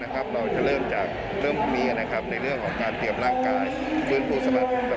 จริงคุณแผนของเรานะครับเราจะเริ่มจากเริ่มมีนะครับในเรื่องของการเตรียมร่างกาย